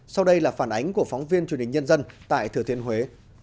sau đây là phản ánh của phóng viên truyền hình nhân dân tại thừa thiên huế